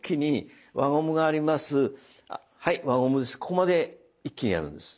ここまで一気にやるんです。